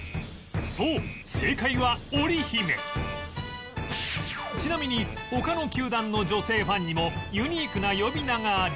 そう正解はちなみに他の球団の女性ファンにもユニークな呼び名があり